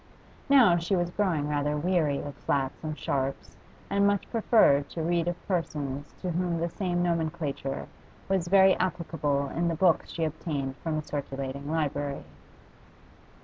Now she was growing rather weary of flats and sharps, and much preferred to read of persons to whom the same nomenclature was very applicable in the books she obtained from a circulating library.